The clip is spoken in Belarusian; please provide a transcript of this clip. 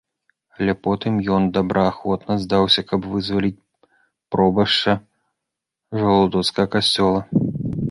Але потым ён добраахвотна здаўся, каб вызваліць пробашча жалудоцкага касцёла.